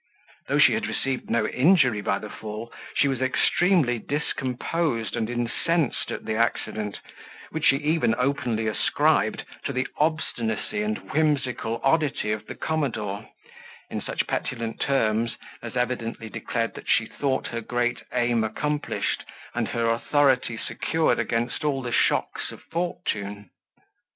Though she had received no injury by the fall, she was extremely discomposed and incensed at the accident, which she even openly ascribed to the obstinacy and whimsical oddity of the commodore, in such petulant terms as evidently declared that she thought her great aim accomplished, and her authority secured against all the shocks of fortune.